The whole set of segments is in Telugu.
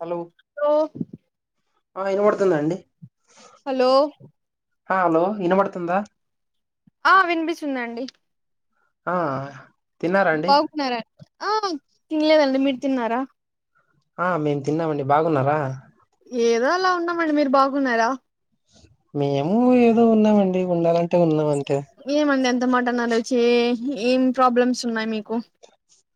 హలో హలో ఆ ఇన పడుతుంద అండి హలో ఆ హలో ఇన పడుతుందా ఆ వినిపించిందండి ఆ తిన్నారాండి న్నారా ఆ తిన్లేదండి మీరు తిన్నారా ఆ మేము తిన్నామండి బాగున్నారా ఏదో అలా ఉన్నామండి మీరు బాగున్నారా మేము ఏదో ఉన్నామండి ఉండాలంటే ఉన్నాం అంతే ఏమండి ఎంత మాట అన్నారు చే ఏం ప్రాబ్లమ్స్ ఉన్నాయి మీకు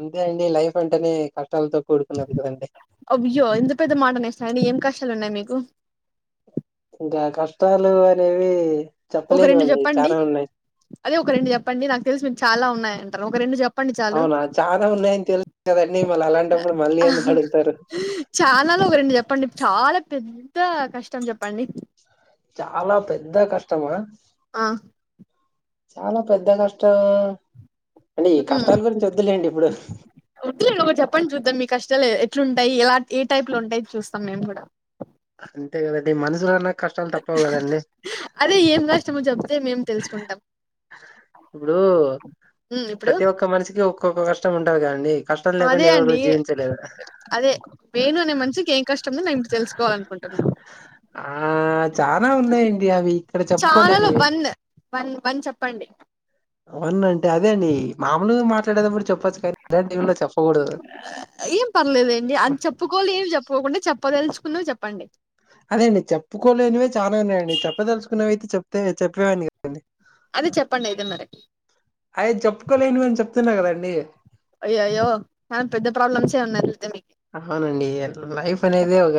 అంటే అండి లైఫ్ అంటేనే కష్టాలతో కూడుకున్నది కదండి అవ్యో ఇంత పెద్ద మాట అనేసారండి ఏం కష్టాలు ఉన్నాయి మీకు ఇంకా కష్టాలు అనేవి ఒక రెండు చెప్పలేనివండి చెప్పండి చాలా ఉన్నాయి అదే ఒక రెండు చెప్పండి నాకు తెలుసి మీరు చాలా ఉన్నాయంటారు ఒక రెండు చెప్ప అవునా చాలా ఉన్నాయని తెలుసు కదండి మళ్ళ అలాంటప్పుడు మళ్ళీ ఎందుకు అడుగుతారు చాలాలో ఒక రెండు చెప్పండి చాలా పెద్ద కష్టం చెప్పండి చాలా పెద్ద కష్టమా ఆ చాలా పెద్ద కష్టం అంటే ఈ కష్టాల గురించి వద్దులేండి ఇప్పుడు వద్దులేండి ఒకటి చెప్పండి చూద్దాం మీ కష్టాలు ఎట్లుంటాయి ఎలా ఏ టైప్ లో ఉంటాయి చూస్తాం మేము కూడా అంతే కదండి మనుషులన్నా అదే ఏం కష్టమో చెప్తే మేము తెలుసుకుంటాం ఇప్పుడు ఉమ్ ఇప్పుడు ప్రతి ఒక్క మనిషికి ఒక్కొక్క కష్టం ఉంటది కాండి అదే అండి అదే వేణు అనే మనిషికి ఏం కష్టం ఉందో నేను ఇప్పుడు తెలుసుకోవాలి అనుకుంటున్నాను ఆ చాలా ఉన్నాయండి అవి ఇక్కడ చాలాలో చెప్పుకోలేనివి వన్ వన్ వన్ చెప్పండి అవున్న అంటే అదే అండి మామూలు మాట్లాడేదిప్పుడు చెప్పొచ్చు కానీ ఇలాంటి ఉన్న చెప్పకూడదు ఏం పర్లేదండి అది చెప్పుకోలేవి ఏమి చెప్పుకోకుండా చెప్పదలుచుకున్నవి చెప్పండి అదే అండి చెప్పుకోలేనివే చాలా ఉన్నాయండి చెప్పదలుచుకునేవి అయితే చెప్తే చెప్పేవాడి కదండి అదే చెప్పండి అయితే మరి అయి చెప్పుకోలేనివి అని చెప్తున్నా కదండి అయ్యో అయ్యో కానీ పెద్ద ప్రాబ్లమ్స్ ఉన్నాయి అయితే మీకు అవునండి లైఫ్ అనేది ఒక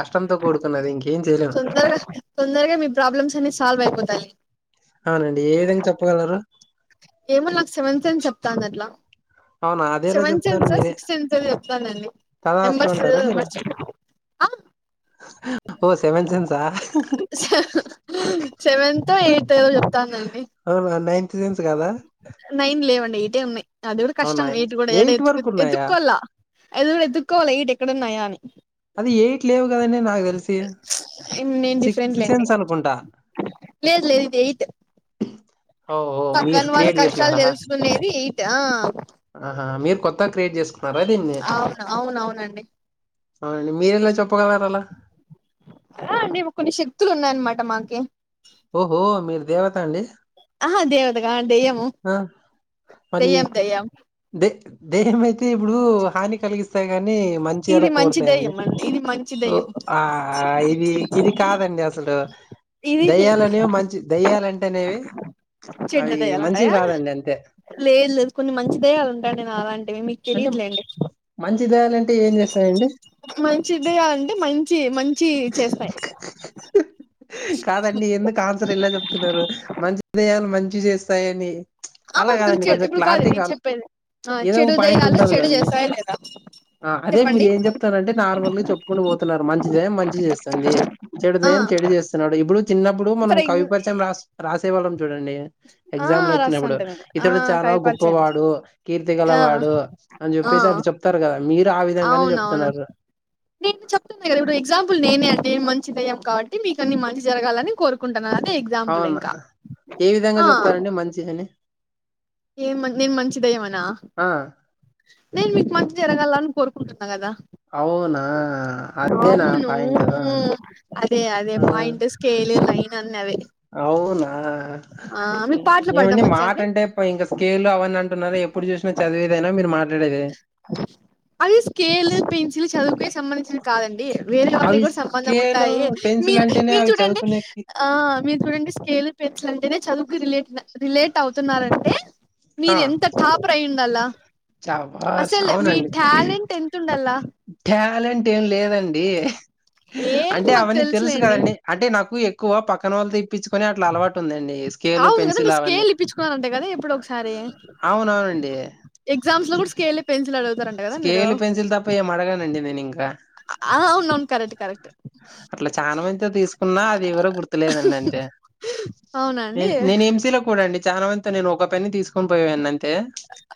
కష్టంతో కూడుకున్నది ఇంకేం చేయలేము తొందరగా తొందరగా మీ ప్రాబ్లమ్స్ అన్ని సాల్వ్ అయిపోతాయి అవునండి ఏ విధంగా చెప్పగలరు ఏమో నాకు సెవెంత్ సెన్ చెప్తాంది అట్లా అవునా అదేలా సెవెంత్ చెప్తారు సెన్సో మీరే సిక్స్త్ సెన్సో చెప్తాందండి తల రాస్తూ నెంబర్స్ ఉంటారా మీరు మర్ఛి అ ఓ సెవెన్ సెన్సా సెవెన్ తో ఎయీతో చే చెప్తానంది అవునా నైన్త్ సెన్స్ కదా నైన్ లేవండి ఎయిటే ఉన్నాయి అది కూడా అవునా కష్టం ఎయిట్ కూడా ఎడ వరకు ఉన్నాయా ఎతుక్కోవాల ఎల్లి ఎతుకోవల ఏఇట్ ఎక్కడ ఉన్నాయా అని అది ఎయిట్ లేవు కదనే నాకు తెల్స్ నేను డిఫరెంట్లండి అనుకుంటా లేదు లేదు ఇది ఎయిట్ ఓ ఓ మీరు పక్కన వాళ్ళ క్రియేట్ కష్టాలు చేసినారా తెలుసుకునేది ఎయిట్ ఆ ఆహా మీరు కొత్తగా క్రియేట్ చేసుకున్నారా దీన్ని అవునవునండి అవునండి మీరెలా చెప్పగలరు అలా అండి కొన్ని శక్తులు ఉన్నాయన్నమాట మాకి ఓహో మీరు దేవత అండి ఆ దేవత గాదు దయ్యము ఆ మళ్ళీ ద దేయం అయితే ఇప్పుడు హాని కలిగిస్త వస్తాయి కాని మంచి ఎలా ఇది మంచి కోరతాయండి దెయ్యం అండి ఇది మంచి దెయ్యం ఆ ఇవి ఇవి కాదండి అసలు ఇది దయ్యాలనేవి మంచి దయ్యాలంటే అంటేనే చెడ్డ అవి దెయ్యాలు మంచి లేదు లేదు కొన్ని మంచి దయ్యాలు ఉంటండి నా అలాంటివి మీ అంటే మంచి దయ్యాలంటే ఏం చేస్తాయండి మంచి దయ్యాలు అంటే మంచి మంచి చేస్తాయి కాదండి ఎందుకు ఆన్సర్ ఎలా చెప్తున్నారు మంచి దయ్యాలు మంచి చేస్తాయని ఆ అలా మ కాదండి చె కొంచెం ఇప్పుడు కాదు నకు క్లారిటీగా చెప్పేది విను ఆ ఏదో ఒక చెడు పాయింట్ దయలో ఉంటది చెడు కదండి. చేస్తాయ లేదా ఆ అదే మీరు చెప్పండి ఏం చెప్తారంటే నార్మల్గా చెప్పుకుంటూ పోతున్నారు మంచి దెయ్యం మంచి చేస్తుంది చెడు ఆ దయం చెడు చేస్తున్నాడు ఇప్పుడు చిన్నప్పుడు మనం ఫర్ ఎగ్ కవి పరిచయం రా రాసేవాళ్ళం చూడండి ఆ ఎగ్జామ్ లో వచ్చినప్పుడు రాస్తాంట నేను ఆ ఇతడు చాలా కవి పరిచయం గొప్పవాడు కీర్తి గల ఆ వాడు అడు అని ఆ చెప్పేసి అడ చెప్తారు కదా మీరు ఆ విధంగానే అవునవును చెప్తున్నారు నేను చెప్ గ ఇప్పుడు ఎగ్జాంపుల్ నేనే అంటే నేను మంచిదయ్యం కాబట్టి మీకు అన్ని మంచి జరగాలని కోరుకుంటున్నా అదే ఎగ్జాంపుల్ అవును. ఇంకా ఏ విధంగా ఆ చెప్తారండి మంచి అని ఏం నన్ మంచిదాయ్యమనా ఆ! నేను మీకు మంచి జరగాలని కోరుకుంటున్నా కదా అవునా! అదేనా అవును పాయింటు. అదే అదే ఆ! పయింట్ స్కేల్ లైన్ అన్నవే అవునా పాటలు పాడడం ఏమండి వచ్చా మాట అండి అంటే ఇంక స్కేల్ అవన్న అంటునారూ ఎప్పుడు చూసినా చదివేదైనా మీరు మాట్లాడేది అది స్కేల్ పెన్సిల్ చదువుకే సంబంధించిన కాదండి వేరే వాటికి అవి కూడా సంబంధం స్కేలు, ఉంటాయి పెన్సిల్ మీరు అంటేనే మీరు అవి చూడండి చదువుకునేకి ఆ మీరు చూడండి స్కేల్ పెన్సిల్ అంటేనే చదువుకు రిలేట్ రిలేట్ అవుతున్నరంటే మీర ఆ! ఎంత టాపర్ అయ్యుండల శభాష్ అవునండి టాలెంట్ ఎంత ఉండాలా టాలెంట్ ఏం లేదండి ఏం అంటే మాకు అవన్నీ తెలుసు తెలుసులేండి కదండి అంటే నాకు ఎక్కువ పక్కన వాళ్ళ తేప్పించుకొని అట్లా అలవాటు ఉందండి స్కేలు అవును కదా పెన్సిల్ మీరు అవన్నీ స్కేల్ ఇప్పించుకున్నారంట కదా అవున అవునండి ఎగ్జామ్ లో కూడా స్కేళ్లే పెన్సిల్ అడుగుతారంట కదా మీరు స్కేల్పెన్సిల్ తప్ప ఏం అడగానండి నేను ఇంకా అవునవును కరెక్ట్ కరెక్ట్ అట్ల చాలా మందితో తీసుకున్న అది ఎవరో గుర్తులేదండి అంతే అవునా నే అండి నేను ఎంసీలో కూడా అండి చాలామంతా నేను ఒక పెన్ను తీసుకొని పోయేవన్న అంతే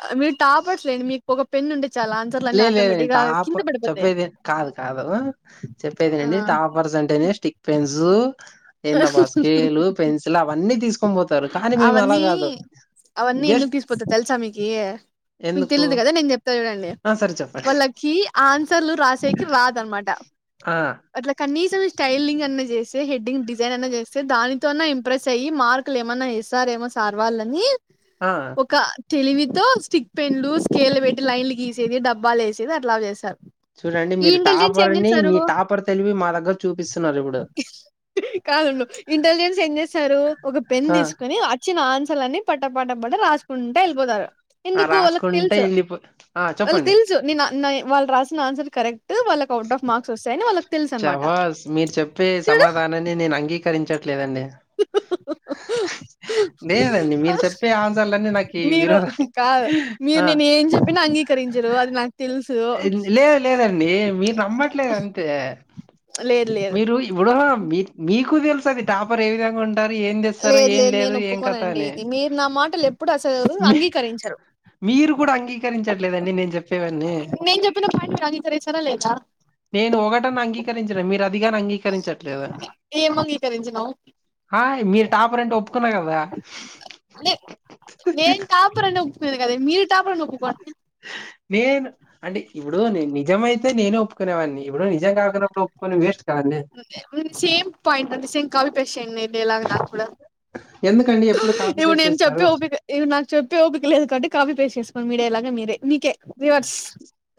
ఆ మీరు టాపర్స్ లేండి మీకు ఒక పెన్ ఉంటే చాలా అంత లేదు లేదండి టాప్ చెప్పేది కాదు కాదు చెప్పేది ఆ అండి టాప్ పర్స్ అంటేనే స్టిక్ పిన్స్ ఏందబ స్కేలు పెన్సిల్ అవన్నీ తీసుకొని పోతరు కానీ మేము అలా అవన్నీ కాదు అవన్నీ ఎందుకు జస్ట్ తీసిపోతది తెలుసా మీకు మీకు ఎందుకు తెలీదు కదా నేను చెప్ చూడండి ఆ సరే చెప్పండి వాళ్ళకి ఆన్సర్లు రాసేకి రాదనమాట ఆ అట్ల కనీసం స్టైలింగ్ అన్న చేస్తే హెడ్డింగ్ డిజ్ జైన్ చేస్తే దానితోన ఇంప్రెస్ అయి మార్కులు ఏమన్నా ఇస్తారు ఏమన్న సర్వాళ్ళని ఆ ఒక తెలివితో స్టిక్ పెన్లు స్కేల్ పెట్టి లైన్లు గీసేది డబ్బాలు వేసేది అట్లా చేస్తారు చూడండి ఈ మీరు ఇంటెలిజెన్స్ ఏం టాపర్ని మీ చేస్తారు టాపర్ తెలివి మా దగ్గర చూపిస్తున్నారు ఇప్పుడు కాదుండు ఇంటెలిజెన్స్ ఏం చేస్తారు ఒక పెన్ ఆ తీసుకుని వి ఆచ్చిన ఆన్సర్లని పట్ట పట్ట పడి రా కుంటేళ్ళిపోతారు ఆ ఎందుకు వాళ్ళకి రాసుకుంటే తెలుసు వెళ్ళిపో ఆ వాళ్ళకి చెప్పండి తెలుసు చు నే వాళ్ళు రాసిన ఆన్సర్ కరెక్ట్ వాళ్ళకి అవుటఫ్ మార్క్స్ వస్తయని వాళ్ళకి తెలుసు అనమాట చబాస్ మీరు చెప్పే చూడు సమాధానాన్ని నేను అంగీకరించట్లేదండి [unintelligible] లేదండి మీరు చెప్పే ఆన్సర్లన్నీ నాకి మీరు కాదు మీరు నేను ఏం చెప్పినిన అంగీకరించరు అది నాకు తెలుసు లేదు లేదండి మీరు నమ్మట్లేదంతే లేదు లేదు మీరు ఇప్పుడు మీ మీకు తెలుసు అది టాపర్ ఏ విధంగమ్ టర్ ఏం చేస్తారు ఏం లేదు నేను ఏం కథ ఒప్పుకోనండి అని ఇది మీరు నా మాటలు ఎప్పుడు అసలు అంగీకరించరు మీరు కూడా అంగీకరించట్లేదండి నేను చెప్పేవన్ని నేను చెప్పిన పాయింట్ మీరు అంగీకరించారా లేదా నేను ఒకటన్న అంగీకరించిన మీరు అదిగానీ అంగీకరించట్లేదు ఏం అంగీకరించినావు ఆ మీరు టాప్ అంటే ఒప్పుకున్న కదా నే నేను టాపర్ అని ఒప్పుకున్నది కదా మీరు టాపరనీ ఒప్పుకో నేను అంటే ఇప్పుడు నీ నిజమయితే నేనే ఒప్పుకునేవాడిన్ని ఇప్పుడు నిజం కాకున్నప్పుడు ఒప్పు కొన్ని వేస్ట్ కదండి సేమ్ పాయింట్ అంటే సేమ్ కాపీ పేస్ట్ చేయండి నెల నాకు కూడా ఎందుకండి ఎప్పుడు కాపీ ఇప్పుడు పేస్ట్ నేను చెప్పే చేస్తారు ఓపిక ఇవి నాకు చెప్పే ఊపిక లేదు కాట్టి కాపీ పేస్ట్ చేసుకోని మీడేలాగా మీరే మీకే రివర్స్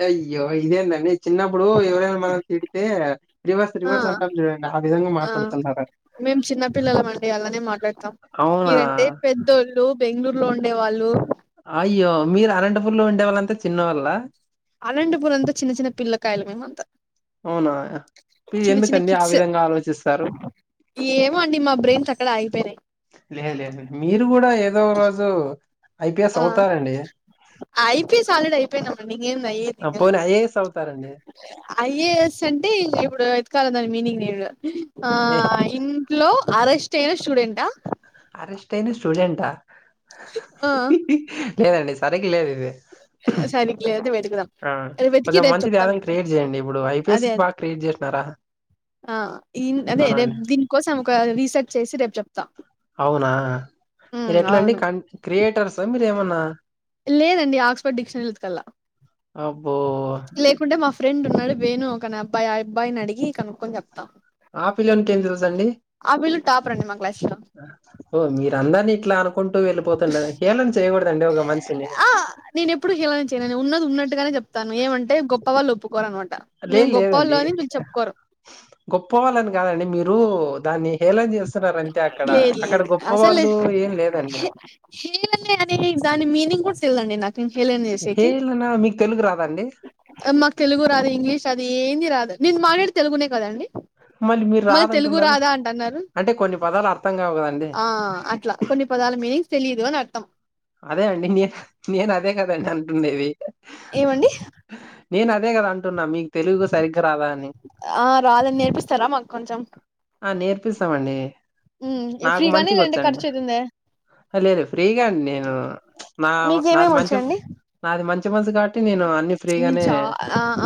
అయ్యో ఇదేందండి చిన్నప్పుడు ఎవరైనా మనం తిడితే రివర్స్ ఆ రివర్స్ అంటాం చూడండి ఆ విధంగా ఆ మాట్లాడుతున్నరు మేము చిన్నపిల్లలమండి అలానే మాట్లాడతాం అవునా మీరంటే పెద్దోళ్ళు ళ్ళు బెంగళూర్లో ఉండేవాళ్ళు అయ్యో మీరు అనంతపూర్లో ఉండే వాళ్ళంతా చిన్నోళ్ళ అలంటిపూర్ అంతా చిన్న చిన్న పిల్లకాయలు మేమంత అవునా పి ఎందుకండి ఆ కిడ్స్ విధంగా ఆలోచిస్తారు ఏమో అండి మా బ్రెయిన్సక్కడ ఆగిపోయినయి లేదు లేండి మీరు కూడా ఏదో ఓరోజు ఆ ఐపి సాలిడైపి పెయినామంటే ఇంగ ఏంది అయ్యేది ఆ, ఇంగ పోనీ ఐఏఎస్ అవుతారండి ఐఏఎస్ అంటే ఇప్పుడు వెతకాలి దాని మీనింగ్ నేను ఆ ఏ ఇన్ లో అరెస్ట్ అయిన స్టూడెంటా అరెస్ట్ అయిన స్టూడెంట ఆ లేదండి సరిగ్ లేదు ఇది ఆ సరిక లేద వెదుకుదాం ఆ కొంచెం మంచిది ఏమన క్రియేట్ చేయయండి ఇప్పుడు అదే ఐపీఎస్ అదే బాగా క్రియేట్ చేసినారా ఆ ఈన్ అదే అవునా అండి రేపు దీనికోసం ఒక రీసెర్చ్ చేసి రేపు చెప్తా అవునా మీరు ఎట్లా అండి అవును కన్ క్రియేటర్స మీరు ఏమన్నా లేదండి ఆక్స్ఫర్డ్ డిక్షనరీల వెతకాల అబ్బో లేకుంటే మా ఫ్రెండ్ ఉన్నాడు వేను ఒకన అబ్బాయి ఆ అబ్బాయిని అడిగి కనుక్కొని చెప్తాం ఆ పిల్లోనికి ఏం తెలుసండీ టాపర్ అండి మా క్లాస్ లో ఓ మీరు అందరినీ ఇట్లా అనుకుంటూ వెళ్ళిపోతుండ హేళన చేయకూడదండి ఒక మనిషిని ఆ నేను ఎప్పుడు హీళన చేయను ఉన్నది ఉన్నట్టుగానే చెప్తాను ఏమంటే గొప్పళ్ళు ఒప్పుకోర అమాట్ట మేము లేదు గొప్పవాళ్ళు అని వీళ్ళు చెప్పుకోరు గొప్ప వాళ్ళని కాదండి మీరు దాన్ని హేళన చేస్ స్తునారు అంతె అక్కడ లేదు అక్కడ లేదు గొప్ప వాళ్ళు ఏం లేదండి హేలన అనే దాని మ మీనింగ్ కూడ తెలీదండి నాకు నేన్ చేయలేని హేల్నా మీకు తెలుగు రాదా అండి మాకు తెలుగు రాదు ఇంగ్లీష్ అది ఏంది రాదు నేను మాట్లాడి తెలుగునే కదండి మళ్ళీ మీరు మరి తెలుగు రాదంటున్నారు రాదా అంటన్నారు అంటే కొన్ని పదాలు అర్థం కావు కదండి ఆ అట్లా కొన్ని పదాల మీనింగ్స్ తెలిదు అని అర్థం అదే అండి నే నేను అదే కదండి అంటుండేది ఏమండి నేను అదే కదా అంటున్నా మీకు తెలుగు సరిగ్గా రాదా అని ఆ రాదని నేర్పిస్తారా మాకు కొంచెం ఆ నేర్పిస్తామండి నాకు ఫ్రీగానే మంచిగ లేదంటే వచ్చండి ఖర్చు అయితుందా ఆ లేదు ఫ్రీగా అండి నేను నా నాది మీకేమేమి మంచి వచ్చండి నాది మంచి మనసు కాబట్టి నేను అన్ని మీను ఫ్రీగానే చ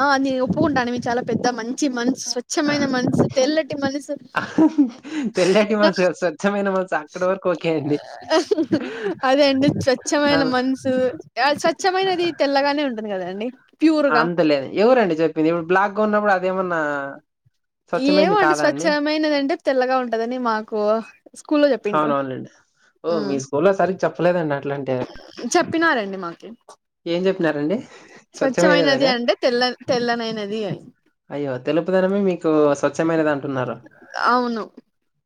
ఆ నేను ఒప్పుకుంటాను మీ చాలా పెద్ద మంచి మనసు స్వచ్ఛమైన మనసు తెల్లటి మనసు తెల్లకి మనసు స్వచ్ఛమైన మనసు అక్కడి వరకు ఓకే అండి అదే అండి స్వచ్ఛమైన అవును మనసు స్వచ్ఛమైనది ఆ తెల్లగానే ఉంటుంది టుంది కదా అండి అంతలేదు ఎవరండి చెప్పింది ఇప్పుడు బ్లాక్గా ఉన్నప్పుడు అదేమన్నా ఏమో స్వచ్ఛమైంది అండి కాదా స్వచ్ఛమైనదంటే తెల్లగా ఉంటదని మాకు స్కూల్ లో చెప్పింటారు అవునవునండి ఓ మీ స్కూల్ లో సరిగ చెప్పలేదండి అలాంటి చెప్పినారండి మాకు చెప్పినారండి స్వచ్ఛమైనది స్వచ్ఛమైనదనే అంటే తెల్ల తెల్లనైనది అని అయ్యో తెలుపుదనమే మీకు స్వచ్ఛమైనది అంటున్నారు అవును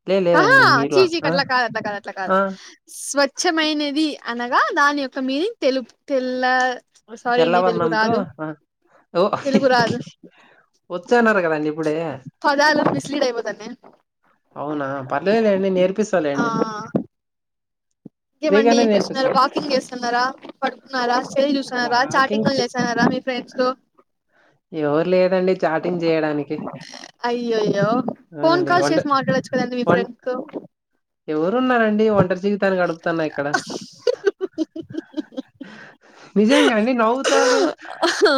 లే లేదండి ఆహ మీరు చీ చీ ఆ కట్లకదు అట్లాక అట్ల కదు ఆ స్వచ్ఛమైనది అనగా దాని యొక్క మీనింగ్ తెలు తెల్ల సారీ అండి తెలుగు తెల్లవర్ణంంతో రాదు ఆ ఓ తెలుగు రాదు వచ్చేన్నారు కదండి ఇప్పుడే పదాలు మిస్ లీడ్ అయిపోతున్నయ్ అవునా పర్లేదు లెండి నేర్పిస్తాలెండి ఆ ఇంకేమండి ఏం చేస్తున్నారు వాకింగ్ చేస్తున్నారా పడుకున్నారా సెల్ చూస్తున్నారా వాకింగ్ చాటింగ్లు చే చేస్తున్నారా మీ ఫ్రెండ్స్ తో ఎవరు లేరండి చాటింగ్ చేయడానికి అయ్యో అయ్యో ఫోన్ అవునండి కాల్స్ వంట చేసి మాట్లాడొచ్చు కదండి మీ ఫ్రెండ్స్ తో ఎవరు ఉన్నారండి ఒంటరి జీవితాన్ని గడుపుతున్నా ఇక్కడ నిజంగాండి నవ్వుతారు ఆ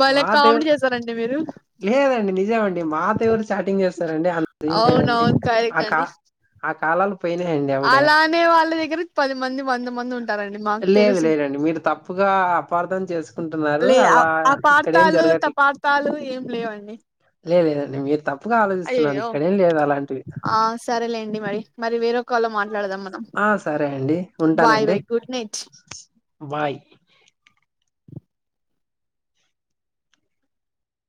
భలే మాతెవ కామెడీ చేసారండి మీరు లేదండి నిజమండి మాతో ఎవరు చాటింగ్ చేస్తారండి అంత ఏం లేదండి అవునవును కరెక్ట్ ఆక్క ఆ కాలాలు పోయినియండి అలా అనే వాళ్ళ దగ్గర పది మంది వంద మంది ఉంటారండి మా లేదు లేదండి మీరు తప్ప తప్పుగా అపార్ధం చేసుకుంటున్నారు అలా ఇక్క పతాలు తపార్థాలు ఏం లేవండి లేదు లేదండి మీరు తప్ అయ్యయ్యో ఆ సరేలేండి మరి మరి వేరొక కాల్ లో మాట్లాడదాం మనం ఆ సరే అండి బాయ్ ఉంటానండి బాయ్ గుడ్ నైట్ బాయ్